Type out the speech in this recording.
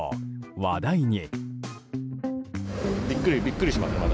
話題に。